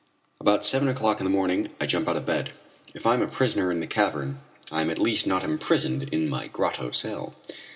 About seven o'clock in the morning I jump out of bed. If I am a prisoner in the cavern I am at least not imprisoned in my grotto cell.